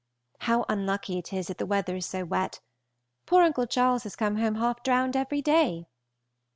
How unlucky it is that the weather is so wet! Poor Uncle Charles has come home half drowned every day.